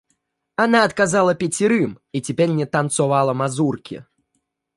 Она отказала пятерым и теперь не танцовала мазурки.